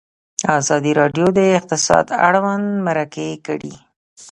ازادي راډیو د اقتصاد اړوند مرکې کړي.